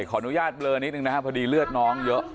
ขออนุญาตเบลอนิดนึงนะครับพอดีเลือดน้องเยอะ